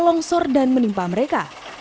longsor dan menimpa mereka